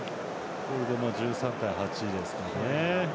これで１３対８ですかね。